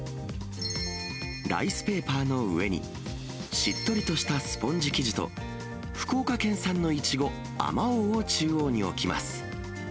ライスペーパーの上に、しっとりとしたスポンジ生地と、福岡県産のいちご、あまおうを中央に置きます。